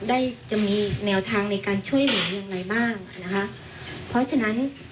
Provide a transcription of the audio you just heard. ได้จะมีแนวทางในการช่วยเหลืออย่างไรบ้างอ่ะนะคะเพราะฉะนั้น